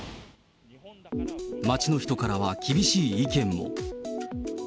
街の人からは厳しい意見も。